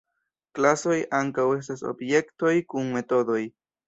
Klasoj ankaŭ estas objektoj kun metodoj.